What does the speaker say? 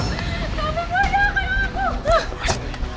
gue gak akan biarin lo bawa murthy